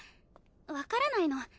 わからないの。